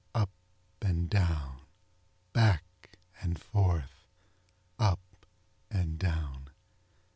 Up and down. Back and forth. Up and down.